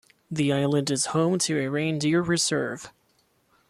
The island is home to a reindeer reserve.